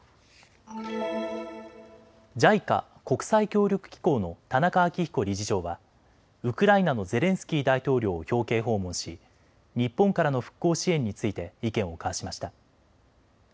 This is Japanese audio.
ＪＩＣＡ・国際協力機構の田中明彦理事長はウクライナのゼレンスキー大統領を表敬訪問し日本からの復興支援について意見を交わしました。